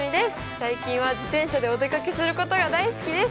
最近は自転車でお出かけすることが大好きです。